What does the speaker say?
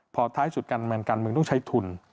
พอท้ายสุดกันมันกันมึงต้องใช้ทุน